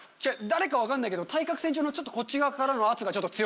誰か分かんないけど対角線上のちょっとこっち側からの。